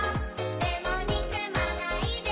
「でも、にくまないで！